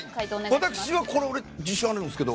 私は自信あるんですけど。